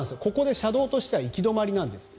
車道としては行き止まりなんです。